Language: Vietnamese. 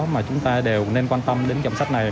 mà chúng ta đều nên quan tâm đến dòng sách này